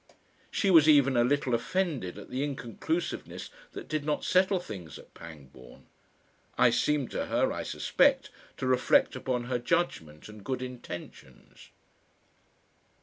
She was even a little offended at the inconclusiveness that did not settle things at Pangbourne. I seemed to her, I suspect, to reflect upon her judgment and good intentions.